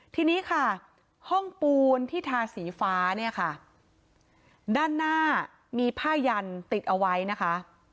ทีนี้ค่ะห้องปูนที่ทาสีฟ้าเนี่ยค่ะด้านหน้ามีผ้ายันติดเอาไว้นะคะ